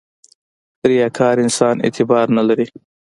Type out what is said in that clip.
• ریاکار انسان اعتبار نه لري.